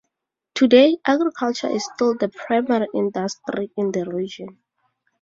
Today, agriculture is still the primary industry in the region.